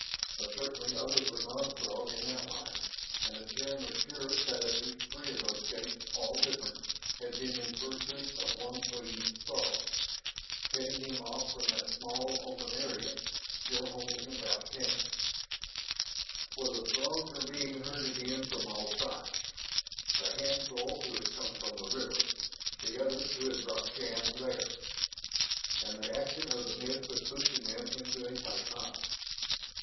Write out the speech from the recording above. But certainly others were non Throg in outline. And the Terran was sure that at least three of those shapes, all different, had been in pursuit of one fleeing Throg, heading him off from that small open area still holding about Shann. For the Throgs were being herded in from all sides the handful who had come from the river, the others who had brought Shann there. And the action of the mist was pushing them into a tight knot.